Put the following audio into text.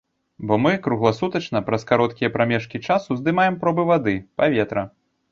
Бо мы кругласутачна праз кароткія прамежкі часу здымаем пробы вады, паветра.